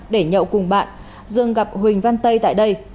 để nhậu cùng bạn dương gặp huỳnh văn tây tại đây